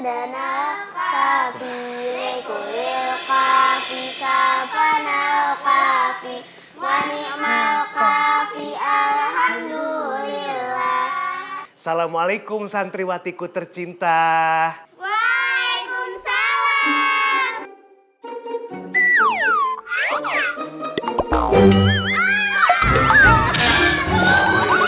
assalamualaikum santri watiku tercinta waalaikumsalam